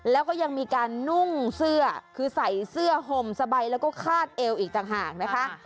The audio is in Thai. แล้วก็ยังมีการนุ่งเสื้อคือใส่เสื้อห่มสบายแล้วก็คาดเอวอีกต่างหากนะคะ